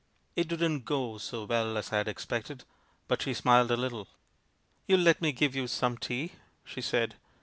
"It didn't 'go' so well as I had expected, but she smiled a little. 'You'll let me give you some tea?' she said.